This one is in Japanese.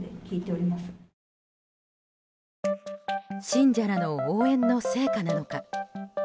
信者らの応援の成果なのか。